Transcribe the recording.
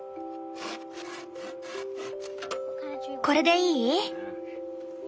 これでいい？